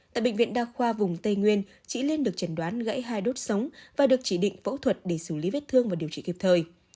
tại bệnh viện đa khoa vùng tây nguyên chị liên được chẩn đoán gãy hai đốt sống và được chỉ định phẫu thuật để xử lý vết thương và điều trị kịp thời